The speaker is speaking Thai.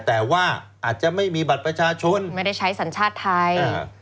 แต่ว่าอาจจะไม่มีบัตรประชาชนไม่ได้ใช้สัญชาติไทยอ่า